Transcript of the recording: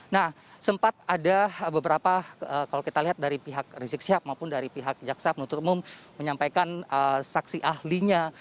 nah sempat ada beberapa kalau kita lihat dari pihak rizik sihab maupun dari pihak jaksa penuntut umum menyampaikan saksi ahlinya